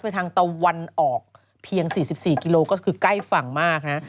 ทางตะวันออกเพียง๔๔กิโลก็คือใกล้ฝั่งมากนะฮะ